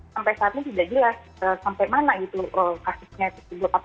sampai saat ini tidak jelas sampai mana gitu kasusnya tersebut apa kasusnya itu